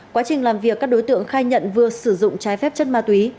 quá trình làm việc các đối tượng khai nhận vừa sử dụng trái phép chất ma túy